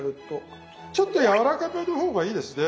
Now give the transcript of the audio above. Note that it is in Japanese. ちょっと柔らかめの方がいいですね。